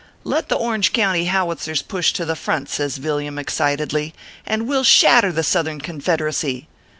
Let the Orange County How itzers push to the front/ says Villiam, excitedly, "and we ll shatter the Southern Confederacy.